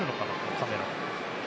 カメラ。